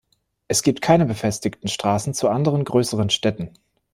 Es gibt keine befestigten Straßen zu anderen größeren Städten.